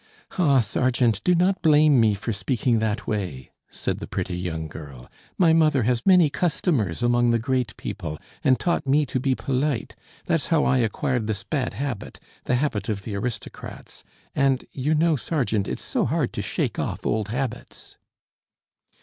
'" "Ah, sergeant, do not blame me for speaking that way," said the pretty young girl; "my mother has many customers among the great people, and taught me to be polite. That's how I acquired this bad habit the habit of the aristocrats; and, you know, sergeant, it's so hard to shake off old habits!"